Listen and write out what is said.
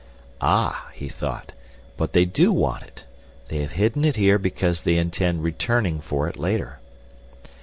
Ah, he thought, but they do want it. They have hidden it here because they intend returning for it later.